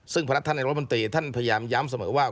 ซึ่งพนักท่านในรัฐมนตรีท่านพยายามย้ำเสมอว่า